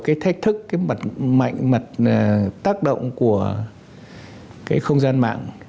cái thách thức cái mặt mạnh mặt tác động của cái không gian mạng